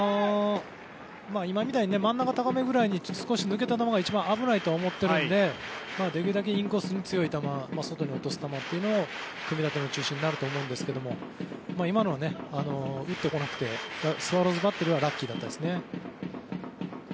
今みたいに真ん中高めぐらいに少し抜けた球が一番危ないと思ってるのでできるだけにインコースに強い球外に落とす球が組み立ての中心になると思いますが今のは、打ってこなくてスワローズバッテリーはラッキーでしたね。